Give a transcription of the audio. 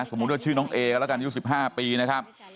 สมมุติว่าชื่อน้องเอละกัน๑๕ปีนะครับ